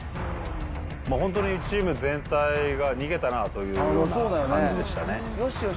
本当に、チーム全体が逃げたなというような感じでしたね。